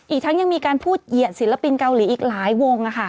อีกทั้งยังมีการพูดเหยียดศิลปินเกาหลีอีกหลายวง